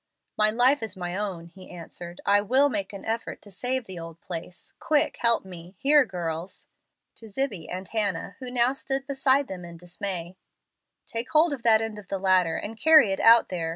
"My life is my own," he answered. "I will make an effort to save the old place. Quick, help me. Here, girls" (to Zibbie and Hannah, who now stood beside them in dismay), "take hold of that end of the ladder and carry it out there.